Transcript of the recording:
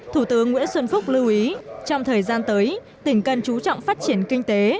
thủ tướng nguyễn xuân phúc lưu ý trong thời gian tới tỉnh cần chú trọng phát triển kinh tế